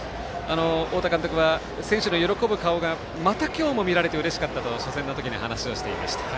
太田監督は選手の喜ぶ顔がまた今日も見られてうれしかったと初戦の時に話をしていました。